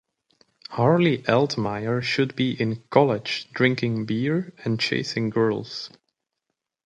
Harley Altmyer should be in college drinking beer and chasing girls.